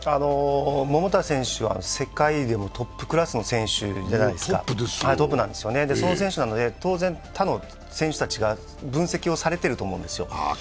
桃田選手は世界でもトップクラスの選手じゃないですか、その選手なので、当然他の選手たちから分析をされていると思うんですよ。